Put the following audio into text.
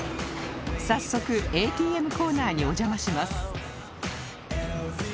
早速 ＡＴＭ コーナーにお邪魔します